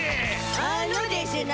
あのでしゅな。